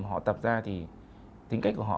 họ tập ra thì tính cách của họ